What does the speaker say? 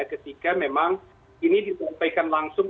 ketika memang ini disampaikan langsung